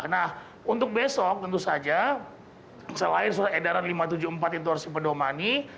nah untuk besok tentu saja selain surat edaran lima ratus tujuh puluh empat intosi pedomani